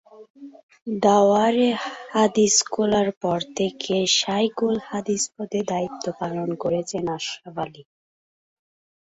দাওরায়ে হাদিস খোলার পর থেকে শায়খুল হাদিস পদে দায়িত্ব পালন করেছেন আশরাফ আলী।